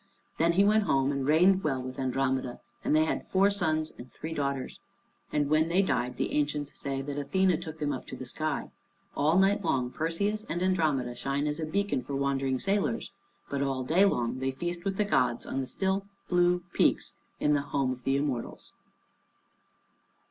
Then he went home and reigned well with Andromeda, and they had four sons and three daughters. And when they died, the ancients say that Athené took them up to the sky. All night long Perseus and Andromeda shine as a beacon for wandering sailors, but all day long they feast with the gods, on the still blue peaks in the home of the Immortals.